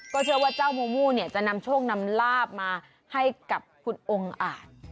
เชื่อว่าเจ้ามูมูเนี่ยจะนำโชคนำลาบมาให้กับคุณองค์อาจ